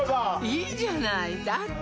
いいじゃないだって